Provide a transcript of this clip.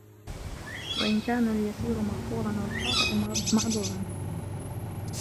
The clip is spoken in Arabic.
وَإِنْ كَانَ الْيَسِيرُ مَغْفُورًا وَالْخَاطِئُ مَعْذُورًا